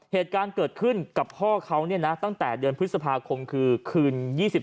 เหตุการณ์เกิดขึ้นกับพ่อเขาเนี่ยนะตั้งแต่เดือนพฤษภาคมคือคืน๒๔